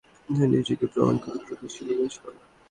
কিন্তু প্রাচীন যুগে এটা প্রমাণ করার খুব বেশি উপকরণ ছিল না।